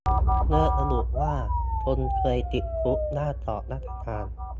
เลิกระบุว่าคนเคยติดคุกห้ามสอบราชการ